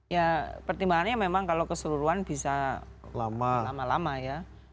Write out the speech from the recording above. ya pertimbangannya memang kalau keseluruhan bisa lama lama ya